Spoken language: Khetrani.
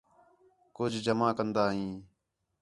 کُج جمع کندا ہیں